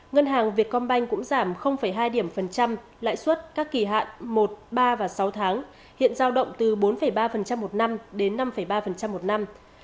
ngân hàng việt com banh cũng giảm hai lãi suất các kỳ hạn một ba và sáu tháng hiện giao động từ bốn ba một năm đến năm ba một năm